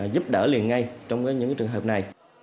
giúp đỡ liền ngay trong những trường hợp này